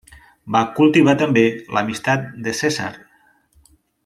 Va cultivar també l'amistat de Cèsar.